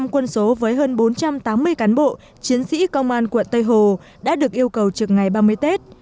một trăm linh quân số với hơn bốn trăm tám mươi cán bộ chiến sĩ công an quận tây hồ đã được yêu cầu trực ngày ba mươi tết